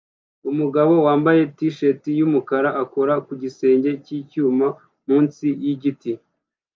Umugabo wambaye t-shati yumukara akora ku gisenge cyicyuma munsi yigiti